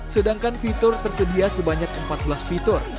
sedangkan fitur tersedia sebanyak empat belas fitur